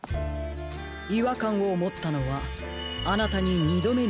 いわかんをもったのはあなたに２どめにあったとき。